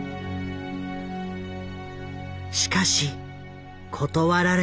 しかし断られた。